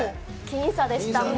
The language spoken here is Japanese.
僅差でしたね。